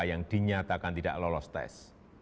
yang dinyatakan tidak lolos tes